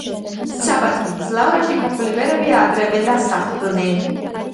საბაწმიდის ლავრაში ქართველი ბერები ადრევე დასახლდნენ.